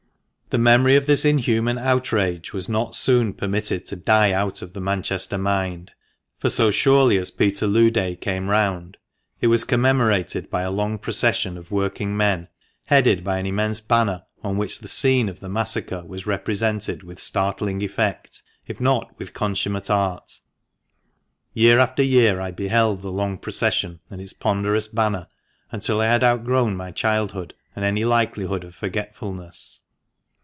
The memory of this inhuman outrage was not soon permitted to die out of the Manchester mind ; for so surely as Peterloo Day came round, it was commemorated by a long procession of working men, headed by an immense banner on which the scene of the massacre was represented with startling effect, if not with consummate art. Year after year I beheld the long procession and its ponderous banner until I had outgrown my childhood and any likelihood of forgetfulness.